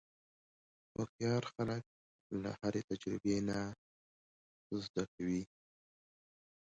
هوښیار خلک له هرې تجربې نه څه زده کوي.